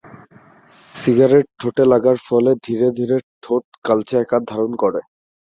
Cigarette ঠোঁটে লাগার ফলে ধীরে ধীরে ঠোঁট কালচে আকার ধারণ করে।